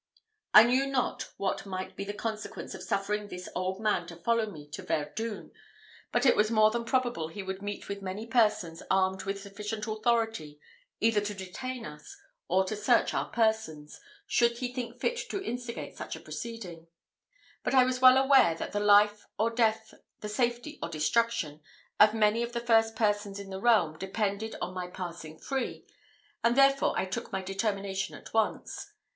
I knew not what might be the consequence of suffering this old man to follow me to Verdun, where it was more than probable he would meet with many persons armed with sufficient authority either to detain us, or to search our persons, should he think fit to instigate such a proceeding; but I was well aware that the life or death, the safety or destruction, of many of the first persons in the realm depended on my passing free, and, therefore, I took my determination at once.